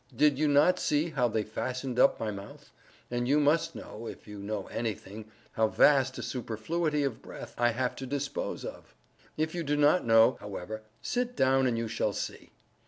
Did you not see how they had fastened up my mouth—and you must know—if you know any thing—how vast a superfluity of breath I have to dispose of! If you do not know, however, sit down and you shall see.